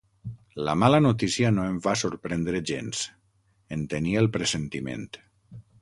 La mala notícia no em va sorprendre gens: en tenia el pressentiment.